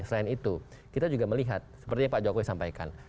selain itu kita juga melihat seperti yang pak jokowi sampaikan